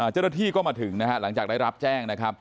เจ้าหน้าที่ก็มาถึงนะฮะหลังจากได้รับแจ้งนะครับ